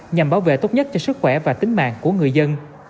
nhằm bảo vệ tốt nhất cho sức khỏe và tính mạng của người dân